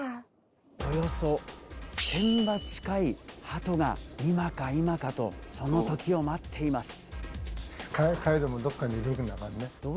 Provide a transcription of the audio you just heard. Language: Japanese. およそ１０００羽近い鳩が今か今かとその時を待っています。